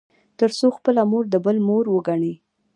تـر څـو خـپله مـور د بل مور وګـني.